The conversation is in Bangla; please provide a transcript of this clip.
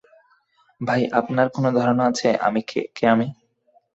ভাই, আপনার কোনও ধারণা আছে কে আমি?